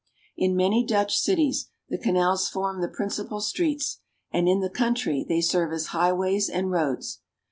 In many Dutch cities the canals form the principal streets, and in the country they serve as highways and roads.